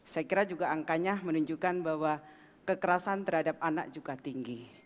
saya kira juga angkanya menunjukkan bahwa kekerasan terhadap anak juga tinggi